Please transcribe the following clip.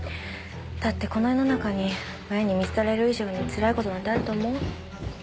だってこの世の中に親に見捨てられる以上につらい事なんてあると思う？